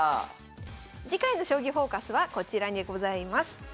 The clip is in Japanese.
次回の「将棋フォーカス」はこちらでございます。